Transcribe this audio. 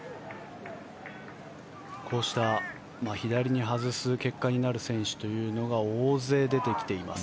こうした左に外す結果になる選手というのが大勢出てきています。